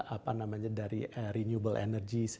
apa namanya dari renewable energy